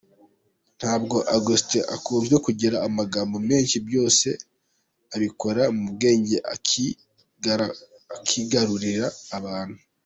Ntabwo Augustin akunze kugira amagambo menshi byose abikora mu bwenge akigarurira abantu.